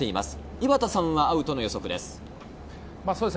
井端さんはアウトの予測です。